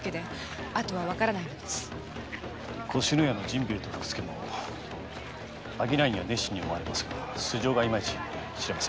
越乃屋の陣兵衛と福助も商いには熱心に思われますが素性がいまいちわかりません。